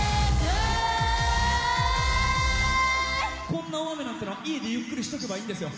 こんな大雨なんてのは家でゆっくりしとけばいいんですよ。